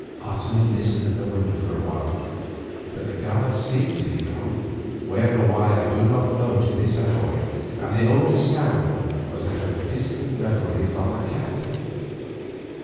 Otomie listened at the window for a while, but the guards seemed to be gone, where or why I do not know to this hour, and the only sound was that of distant revelry from the camp.